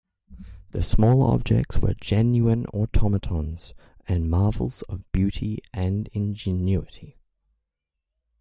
The smaller objects were genuine automatons, and marvels of beauty and ingenuity.